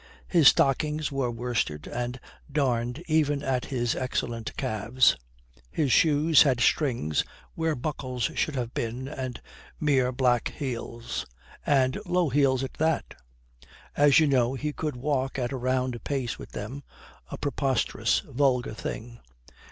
His stockings were worsted, and darned even on his excellent calves. His shoes had strings where buckles should have been, and mere black heels and low heels at that. As you know, he could walk at a round pace with them a preposterous, vulgar thing.